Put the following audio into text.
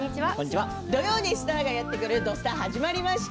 土曜にスターがやってくる「土スタ」始まりました。